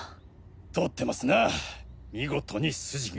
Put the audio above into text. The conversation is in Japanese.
通ってますな見事に筋が。